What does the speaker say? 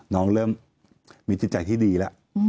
น้องเริ่มมีจิตใจที่ดีละ